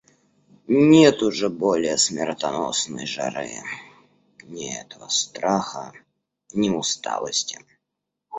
Нет уже более смертоносной жары, ни этого страха, ни усталости.